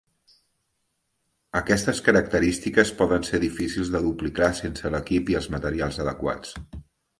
Aquestes característiques poden ser difícils de duplicar sense l'equip i els materials adequats.